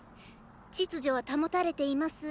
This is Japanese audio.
秩序は保たれています